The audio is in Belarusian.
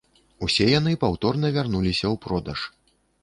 Усе яны паўторна вярнуліся ў продаж.